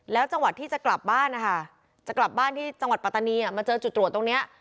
แล้วจังหวัดที่จะกลับบ้านนะคะจะกลับบ้านที่จังหวัดปัตตานีมาเจอจุดตรวจตรงนี้